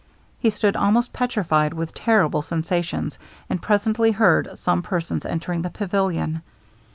He stood almost petrified with terrible sensations, and presently heard some persons enter the pavilion.